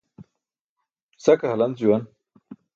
Sa ke halanc juwn.